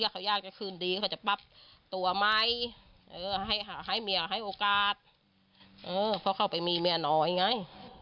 คืนดีเขาจะปั๊บตัวใหม่ให้เมียให้โอกาสเพราะเข้าไปมีเมียน้อยไง